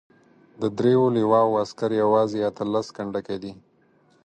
د دریو لواوو عسکر یوازې اته لس کنډکه دي.